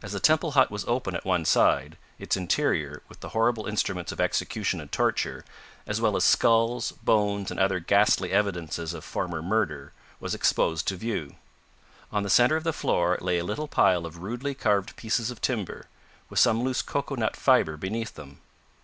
As the temple hut was open at one side, its interior, with the horrible instruments of execution and torture, as well as skulls, bones, and other ghastly evidences of former murder, was exposed to view. On the centre of the floor lay a little pile of rudely carved pieces of timber, with some loose cocoa nut fibre beneath them.